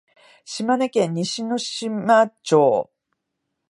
島根県西ノ島町